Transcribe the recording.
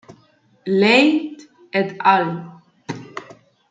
Leigh "et al.